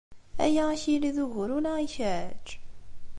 Aya ad ak-yili d ugur ula i kečč?